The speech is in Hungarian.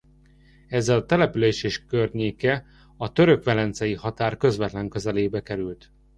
Ezzel a település és környéke a török-velencei határ közvetlen közelébe került.